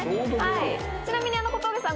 ちなみに小峠さん